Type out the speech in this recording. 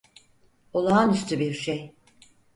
Olağanüstü bir şey.